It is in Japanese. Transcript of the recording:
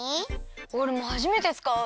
おれもはじめてつかう。